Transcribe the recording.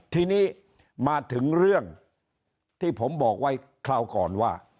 ทีนี้มาถึงเรื่องที่ผมบอกไว้คราวก่อนว่า